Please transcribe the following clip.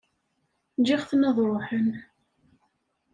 Ǧǧiɣ-ten ad ṛuḥen.